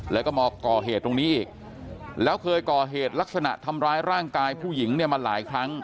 แล้วก็มาก่อเหตุตรงนี้อีกแล้วเคยก่อเหตุลักษณะทำร้ายร่างกายผู้หญิงเนี่ยมาหลายครั้ง